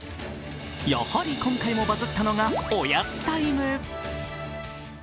やはり今回もバズったのが、おやつタイム。